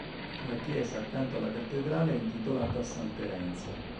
La chiesa accanto alla cattedrale è intitolata a san Terenzio.